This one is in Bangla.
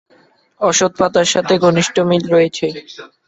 অশ্বত্থ পাতার সঙ্গে ঘনিষ্ঠ মিল রয়েছে।